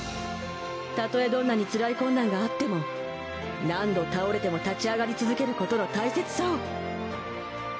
たとえどんなに辛い困難があっても何度倒れても立ち上がり続けることの大切さを。